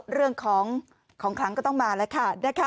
เรื่องของของคลังก็ต้องมาแล้วค่ะ